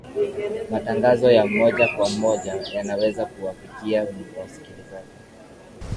matangazo ya moja kwa moja yanaweza kuwafikia wasikilizaji